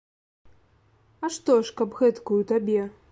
А што ж, каб гэткую табе.